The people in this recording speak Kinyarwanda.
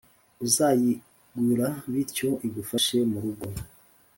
uzayigura bityo igufashe mu rugo